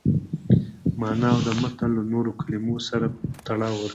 مانا او د متن له نورو کلمو سره تړاو ورکوي.